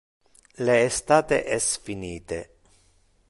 Le estate es finite.